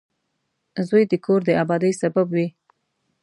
• زوی د کور د آبادۍ سبب وي.